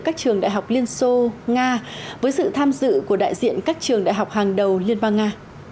các trường đại học liên xô nga với sự tham dự của đại diện các trường đại học hàng đầu liên bang nga